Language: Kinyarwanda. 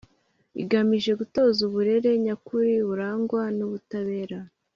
igamije gutoza uburere nyakuri burangwa n'ubutabera